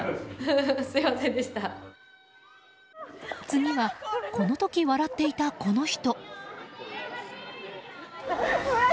次は、この時笑っていたこの人。